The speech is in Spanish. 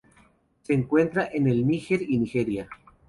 Se encuentra en el Níger y Nigeria.